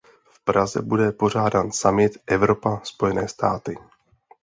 V Praze bude pořádán summit Evropa-Spojené státy.